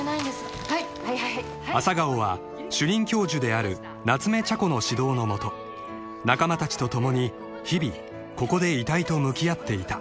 ［朝顔は主任教授である夏目茶子の指導の下仲間たちと共に日々ここで遺体と向き合っていた］